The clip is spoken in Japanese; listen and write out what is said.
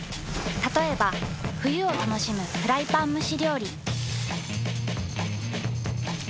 たとえば冬を楽しむフライパン蒸し料理。